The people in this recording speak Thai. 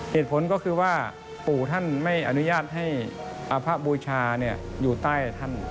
เหตุผลก็คือว่าปู่ท่านไม่อนุญาตให้พระบูชาอยู่ใต้ท่าน